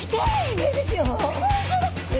近いですよ。